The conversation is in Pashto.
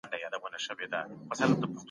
لوستې مور د ماشومانو د لوبو ځای پاک ساتي.